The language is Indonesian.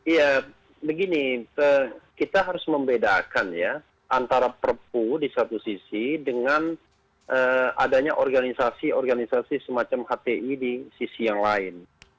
ya begini kita harus membedakan ya antara perpu di satu sisi dengan adanya organisasi organisasi semacam hti di sisi yang lain